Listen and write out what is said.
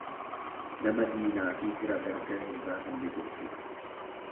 Nama diinaafi fira gargar hin baafanne jechuudha.